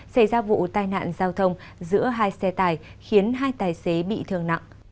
xảy ra vụ tai nạn giao thông giữa hai xe tải khiến hai tài xế bị thương nặng